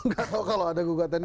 gak tau kalau ada gugatan ini